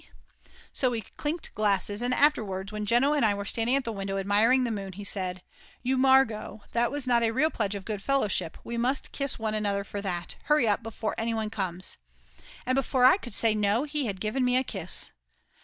'" So we clinked glasses, and afterwards when Jeno and I were standing at the window admiring the moon, he said: "You Margot, that was not a real pledge of good fellowship, we must kiss one another for that; hurry up, before anyone comes," and before I could say No he had given me a kiss.